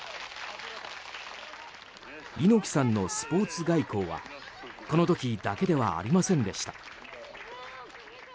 猪木さんのスポーツ外交はこの時だけではありませんでした。